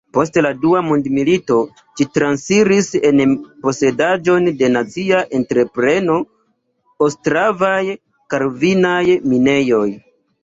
Post la dua mondmilito ĝi transiris en posedaĵon de nacia entrepreno Ostravaj-karvinaj minejoj.